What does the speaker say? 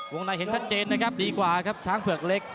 ในเห็นชัดเจนนะครับดีกว่าครับช้างเผือกเล็ก